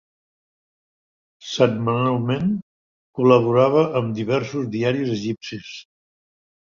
Setmanalment, col·laborava amb diversos diaris egipcis.